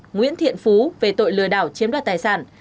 nguyễn thiện phú về tội lừa đảo chiếm đoạt tài sản